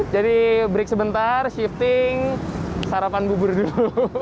jadi break sebentar shifting sarapan bubur dulu